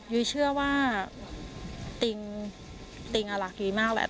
ยุ้ยเชื่อว่าติ๊งรักยุ้ยมากแหละ